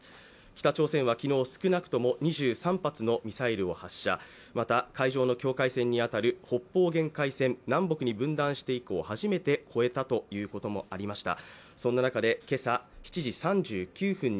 北朝鮮は昨日、少なくとも２３発のミサイルを発射、また、海上の境界線に当たる北方限界線、南北に分断して以降、初めて越えたという情報がありました。